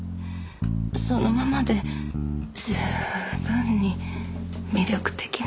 そのままで十分に魅力的なんですから。